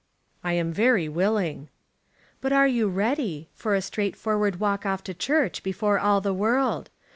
"I am very willing." "But are you ready, for a straightforward walk off to church before all the world?